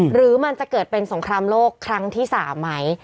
หรือมันจะเกิดเป็นสงครามโลกครั้งที่๓ไหม